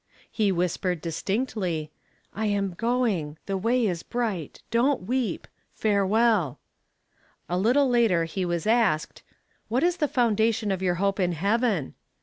He whispered distinctly, "I am going the way is bright, don't weep farewell!" A little later he was asked, "What is the foundation of your hope of Heaven?"